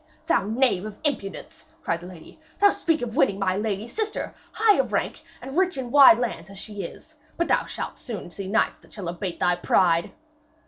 'Thou knave of impudence!' cried the lady. 'Thee to speak of winning my lady sister, high of rank and rich in wide lands as she is! But thou shalt soon see knights that shall abate thy pride.'